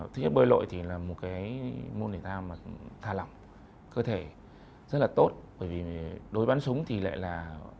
thứ nhất bơi lội thì là một cái môn thể thao mà thà lỏng cơ thể rất là tốt bởi vì đối bắn súng thì lại là